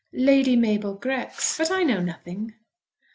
"Lady Mabel Grex. But I know nothing."